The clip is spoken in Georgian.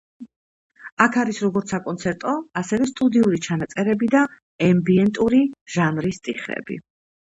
აქ არის როგორც საკონცერტო, ასევე სტუდიური ჩანაწერები და ემბიენტური ჟანრის ტიხრები.